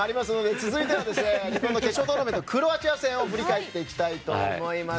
続いての日本の決勝トーナメントクロアチア戦を振り返っていきたいと思います。